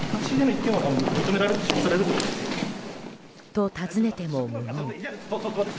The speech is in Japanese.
と尋ねても、無言。